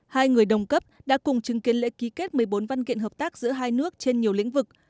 hai người đồng cấp đã cùng chứng kiến lễ ký kết một mươi bốn văn kiện hợp tác giữa hai nước trên nhiều lĩnh vực